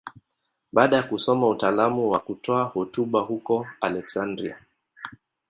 Baada ya kusoma utaalamu wa kutoa hotuba huko Aleksandria.